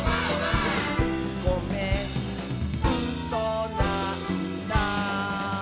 「ごめんうそなんだ」